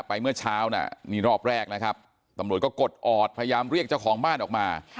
เมื่อเช้าน่ะนี่รอบแรกนะครับตำรวจก็กดออดพยายามเรียกเจ้าของบ้านออกมา